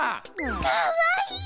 かわいい！